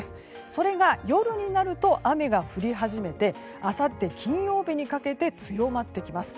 それが夜になると雨が降り始めてあさって金曜日にかけて強まってきます。